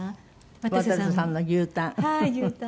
渡瀬さんの牛タン。